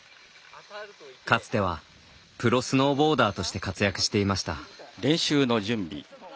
かつては、プロスノーボーダーとして活躍していました。